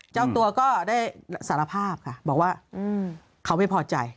เจ้าตัวก็ได้สารภาพค่ะบอกว่าเขาไม่พอใจ